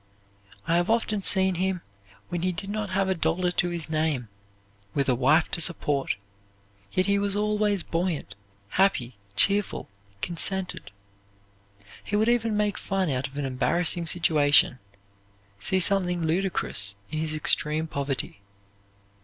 I have often seen him when he did not have a dollar to his name, with a wife to support; yet he was always buoyant, happy, cheerful, consented. He would even make fun out of an embarrassing situation, see something ludicrous in his extreme poverty.